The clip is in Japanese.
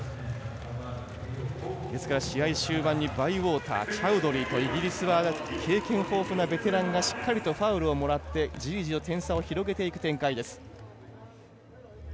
試合終盤にバイウォーターチャウドリーとイギリスは経験豊富なベテランがしっかりとファウルをもらって、じりじりと点差を広げていく展開です。